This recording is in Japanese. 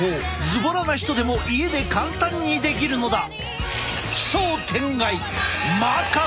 ずぼらな人でも家で簡単にできるのだ！